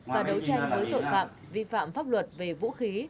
và đấu tranh với tội phạm vi phạm pháp luật về vũ khí